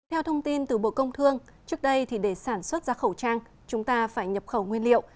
theo thông tin từ bộ công thương trước đây để sản xuất ra khẩu trang chúng ta phải nhập khẩu nguyên liệu